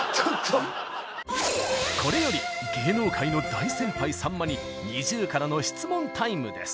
これより芸能界の大先輩さんまにＮｉｚｉＵからの質問タイムです。